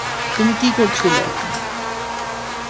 তুমি কি করছিলে?